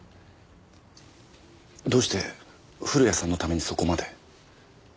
どうして古谷さんのためにそこまで？